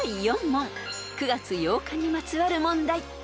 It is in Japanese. ［９月８日にまつわる問題］